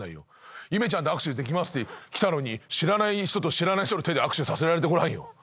佑芽ちゃんと握手できますって来たのに知らない人と知らない人の手で握手させられてごらんよ。